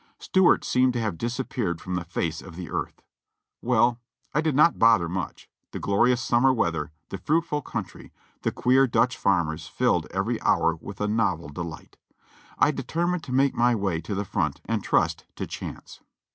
Stuart seemed to have disappeared from the face of the earth. W^ell, I did not bother much; the glorious summer weather, the fruitful country, the queer Dutch farmers filled every hour with a novel delight. I determined to make my way to the front and trust to chance.